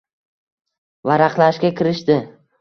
Varaqlashga kirishdi